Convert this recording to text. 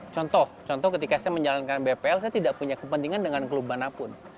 contoh contoh ketika saya menjalankan bpl saya tidak punya kepentingan dengan klub manapun